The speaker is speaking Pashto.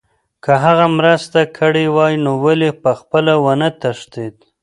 که هغه مرسته کړې وای نو ولې پخپله ونه تښتېد